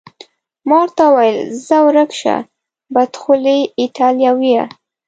ما ورته وویل: ځه ورک شه، بدخولې ایټالویه.